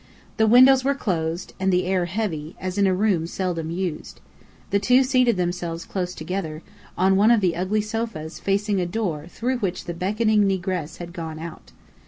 The windows were closed, and the air heavy, as in a room seldom used. The two seated themselves close together, on one of the ugly sofas facing a door through which the beckoning negress had gone out.